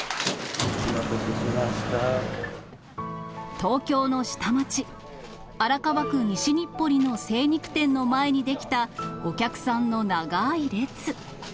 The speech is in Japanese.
東京の下町、荒川区西日暮里の精肉店の前に出来たお客さんの長い列。